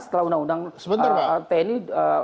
setelah undang undang tni